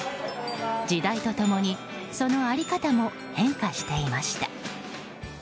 時代と共にその在り方も変化していました。